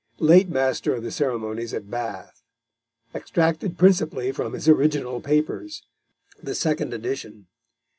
_late Master of the Ceremonies at Bath. Extracted principally from his Original Papers. The Second Edition.